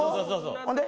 ほんで？